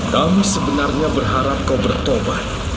kamu sebenarnya berharap kau bertobat